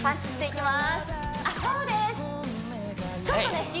ちょっとね